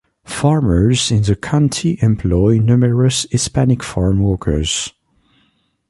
Farmers in the county employ numerous Hispanic farm workers.